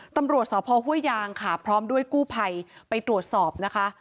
ตำรวจสพห้วยยางค่ะพร้อมด้วยกู้ภัยไปตรวจสอบนะคะ